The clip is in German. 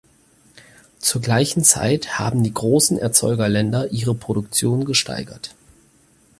Zur gleichen Zeit haben die großen Erzeugerländer ihre Produktion gesteigert.